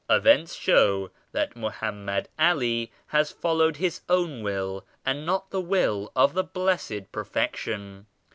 Events show that Mohammed Ali has followed his own will and not the Will of the Blessed Perfection.